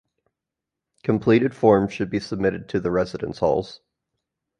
Completed forms should be submitted to the Residence Halls.